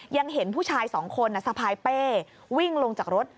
ยังเห็นผู้ชายสองคนสะพายเป้วิ่งลงจากรถ